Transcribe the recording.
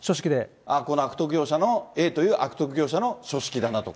この悪徳業者のＡという悪徳業者の書式だなとか。